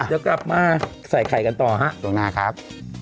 เดี๋ยวกลับมาใส่ไข่กันต่อฮะช่วงหน้าครับ